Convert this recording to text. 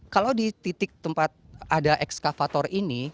kalau di titik tempat ada ekskavator ini